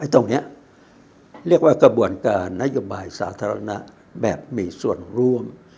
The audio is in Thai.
ตรงนี้เรียกว่ากระบวนการนโยบายสาธารณะแบบมีส่วนร่วม